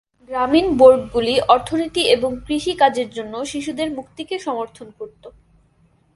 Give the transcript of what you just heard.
গ্রামীণ বোর্ডগুলি অর্থনীতি এবং কৃষি কাজের জন্য শিশুদের মুক্তিকে সমর্থন করত।